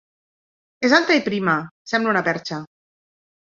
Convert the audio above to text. És alta i prima: sembla una perxa.